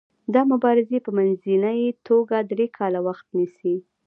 دا مبارزې په منځنۍ توګه درې کاله وخت نیسي.